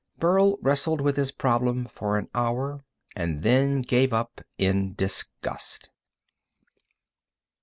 Burl wrestled with his problem for an hour, and then gave up in disgust.